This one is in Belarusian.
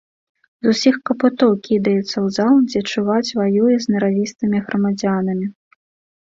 З усіх капытоў кідаецца ў зал, дзе, чуваць, ваюе з наравістымі грамадзянамі.